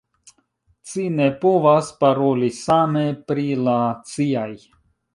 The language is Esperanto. Ci ne povas paroli same pri la ciaj.